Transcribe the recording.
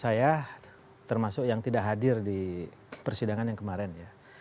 saya termasuk yang tidak hadir di persidangan yang kemarin ya